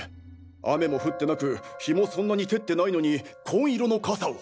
雨も降ってなく陽もそんなに照ってないのに紺色の傘を。